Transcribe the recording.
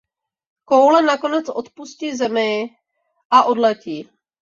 Koule nakonec odpustí Zemi a odletí.